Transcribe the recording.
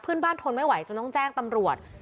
เพื่อนบ้านทนไม่ไหวจนต้องแจ้งตำรวจ